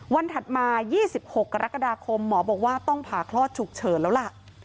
ถัดมา๒๖กรกฎาคมหมอบอกว่าต้องผ่าคลอดฉุกเฉินแล้วล่ะ